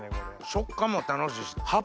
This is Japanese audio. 食感も楽しいし。